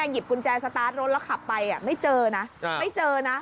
หยิบกุญแจสตาร์ทโรนแล้วขับไปไม่เจอนะ